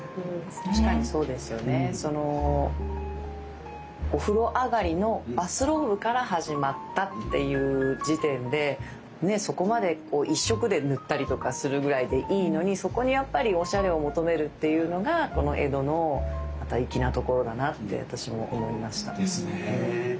確かにそうですよねお風呂上がりのバスローブから始まったっていう時点でそこまで１色で塗ったりとかするぐらいでいいのにそこにやっぱりおしゃれを求めるっていうのがこの江戸のまた粋なところだなって私も思いました。